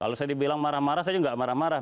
kalau saya dibilang marah marah saya nggak marah marah